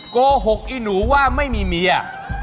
โกหกอีหนูว่าไม่มีเมีย